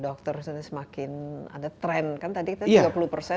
dokter semakin ada trend kan